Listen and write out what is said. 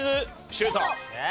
シュート！